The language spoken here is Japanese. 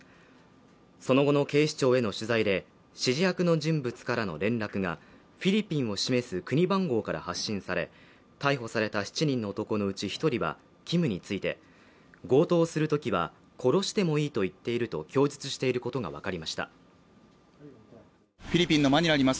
その後の警視庁への取材で指示役の人物からの連絡がフィリピンを示す国番号から発信され逮捕された７人の男のうち一人はキムについて強盗するときは殺してもいいと言ってると供述していることが分かりましたフィリピンのマニラにいます